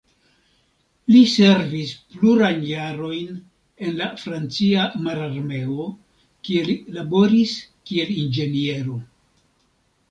Li servis plurajn jarojn en la francia mararmeo, kie li laboris kiel inĝeniero.